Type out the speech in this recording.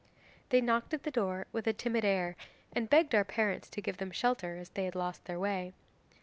'They knocked at the door with a timid air and begged our parents to give them shelter, as they had lost their way.